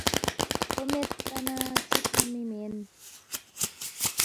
کھو میدپا ن٘ا چھُو تُھونگمی مین